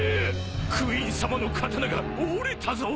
クイーンさまの刀が折れたぞ。